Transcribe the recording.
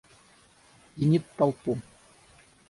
Пьянит толпу.